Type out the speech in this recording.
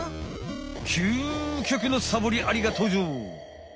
究極のサボりアリが登場！